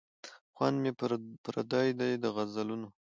خوند مي پردی دی د غزلونو